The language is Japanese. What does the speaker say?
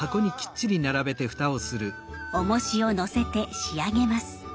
おもしをのせて仕上げます。